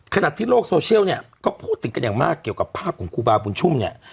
ขณะที่โลกโซเชียลเนี่ยก็พูดถึงกันอย่างมากเกี่ยวกับภาพของครูบาบุญชุ่มเนี่ย